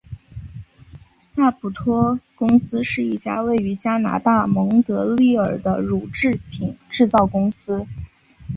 萨普托公司是一家位于加拿大蒙特利尔的乳制品制造公司。